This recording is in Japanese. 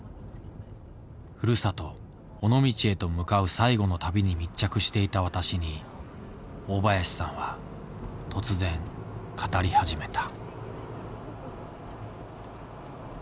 ふるさと尾道へと向かう最後の旅に密着していた私に大林さんは突然語り始めた。